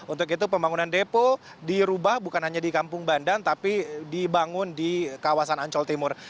untuk itu pembangunan depo dirubah bukan hanya di kampung bandan tapi dibangun di kawasan ancol timur